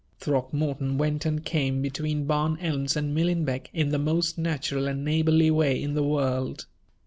Throckmorton went and came between Barn Elms and Millenbeck in the most natural and neighborly way in the world.